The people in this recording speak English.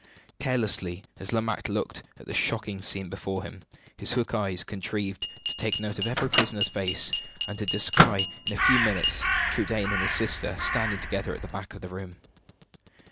Carelessly as Lomaque looked at the shocking scene before him, his quick eyes contrived to take note of every prisoner's face, and to descry in a few minutes Trudaine and his sister standing together at the back of the group.